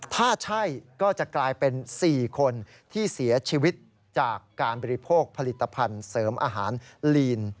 ถ้าใช่ก็จะกลายเป็น๔คนที่เสียชีวิตจากการบริโภคผลิตภัณฑ์เสริมอาหารลีน